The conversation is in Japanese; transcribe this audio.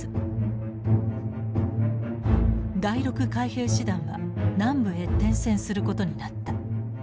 第６海兵師団は南部へ転戦することになった。